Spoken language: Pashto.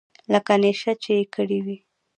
لکه نېشه چې يې کړې وي.